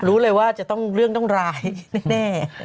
รู้เลยว่าเรื่องจะต้องรายแน่